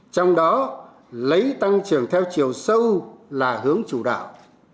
trong đó lấy tăng trưởng theo chiều sâu là hướng chủ đạo